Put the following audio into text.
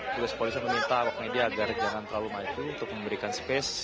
pilih sekolah juga meminta wak media agar jangan terlalu maju untuk memberikan space